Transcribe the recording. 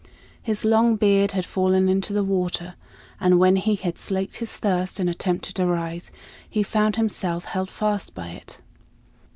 His long beard had fallen into the water, and when he had slaked his thirst and attempted to rise, he found himself held fast by it.